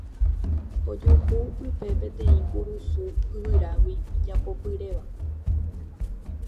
ojuhu pype peteĩ kurusu yvyrágui ijapopyréva